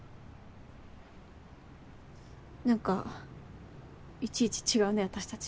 何かいちいち違うね私たち。